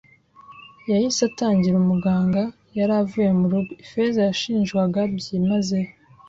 yahise atangira umuganga yari avuye mu rugo. Ifeza yashinjwaga byimazeyo